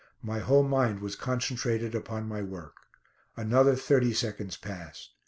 My whole mind was concentrated upon my work. Another thirty seconds passed.